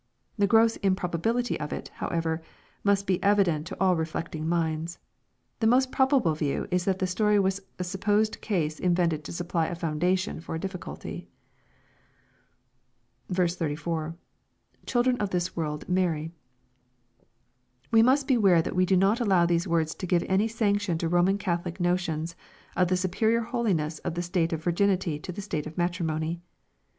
The gross improbability of it, however, must be evi dent to all reflecting minds. The most probable view is that the story was a supposed case invented to supply a foundation for a difi&culty. 34. — [Children of this world marry.] We must beware that we do not allow these words to give any sanction to Roman Catholic no tions of the superior holiness of the state of virginity to the stAte of matrimony.